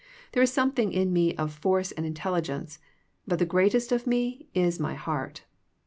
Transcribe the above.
There is something in me of force and intelligence, but the greatest of me is my heart.